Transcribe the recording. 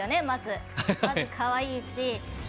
まず、かわいいし。